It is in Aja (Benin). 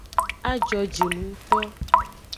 A jojinungto.